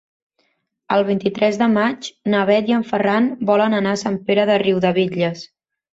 El vint-i-tres de maig na Bet i en Ferran volen anar a Sant Pere de Riudebitlles.